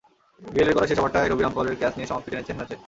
গেইলের করা শেষ ওভারটায় রবি রামপলের ক্যাচ নিয়েই সমাপ্তি টেনেছেন ম্যাচে।